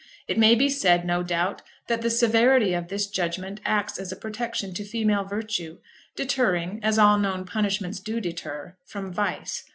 It may be said, no doubt, that the severity of this judgment acts as a protection to female virtue, deterring, as all known punishments do deter, from vice.